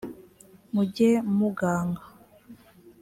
mujye muganga